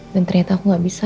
dan ternyata aku gak bisa